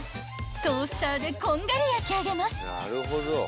［トースターでこんがり焼き上げます］